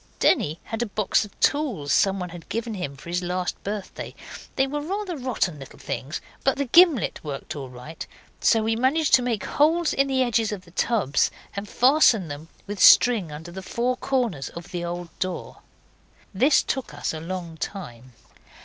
Denny had a box of tools someone had given him for his last birthday; they were rather rotten little things, but the gimlet worked all right, so we managed to make holes in the edges of the tubs and fasten them with string under the four corners of the old door. This took us a long time.